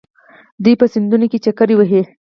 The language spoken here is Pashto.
دوی په سیندونو کې چکر وهي.